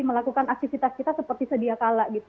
melakukan aktivitas kita seperti sedia kala gitu